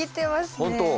本当。